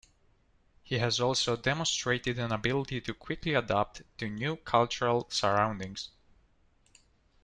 He has also demonstrated an ability to quickly adapt to new cultural surroundings.